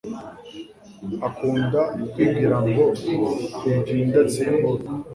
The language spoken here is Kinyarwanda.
akunda kwibwira ngo ndi indatsimburwa